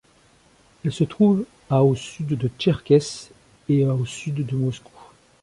Elle se trouve à au sud de Tcherkessk et à au sud de Moscou.